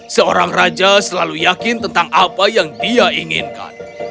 seorang raja selalu yakin tentang apa yang dia inginkan